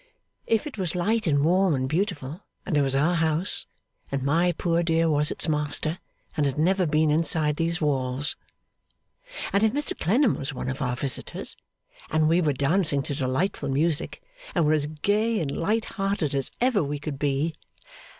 'If it was light and warm and beautiful, and it was our house, and my poor dear was its master, and had never been inside these walls. And if Mr Clennam was one of our visitors, and we were dancing to delightful music, and were all as gay and light hearted as ever we could be!